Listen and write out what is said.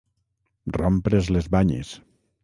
Rompre's les banyes.